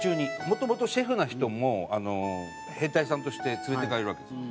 もともとシェフの人も兵隊さんとして連れていかれるわけですよ。